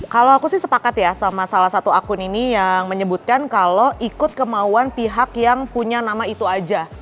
kalau aku sih sepakat ya sama salah satu akun ini yang menyebutkan kalau ikut kemauan pihak yang punya nama itu aja